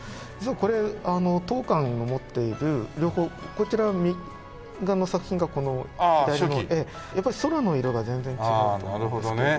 これ当館の持っている両方こちら右側の作品がこの左のやっぱり空の色が全然違うと思うんですけども。